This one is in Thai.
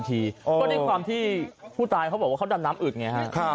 ก็ด้วยความที่ผู้ตายเขาบอกว่าเขาดำน้ำอึดไงฮะ